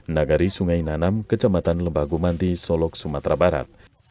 nagari sungai nanam kejamaatan lembaga manti solok sumatera barat